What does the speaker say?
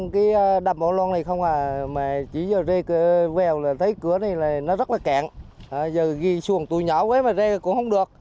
giờ ghi xuồng tuổi nhỏ quế mà rê cũng không được